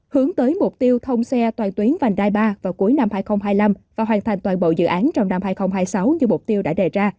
hướng tới mục tiêu thông xe toàn tuyến vành đai ba vào cuối năm hai nghìn hai mươi năm và hoàn thành toàn bộ dự án trong năm hai nghìn hai mươi sáu như mục tiêu đã đề ra